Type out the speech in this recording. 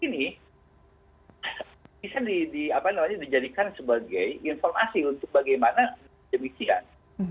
ini bisa dijadikan sebagai informasi untuk bagaimana demikian